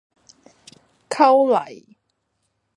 摳泥